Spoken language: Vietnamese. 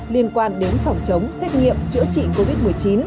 liên quan đến phòng chống xét nghiệm chữa trị covid một mươi chín